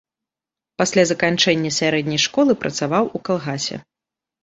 Пасля заканчэння сярэдняй школы працаваў у калгасе.